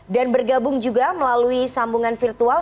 dan bergabung juga melalui sambungan virtual